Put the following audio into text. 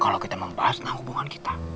kalau kita membahas tentang hubungan kita